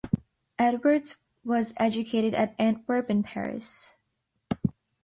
Edwards was educated at Antwerp and Paris.